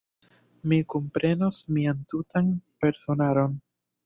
Mi kunprenos mian tutan personaron.